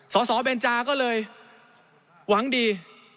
สสเบนจาก็เลยหวังดี